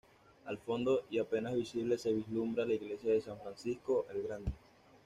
Al fondo y apenas visible se vislumbra la iglesia de San Francisco el Grande.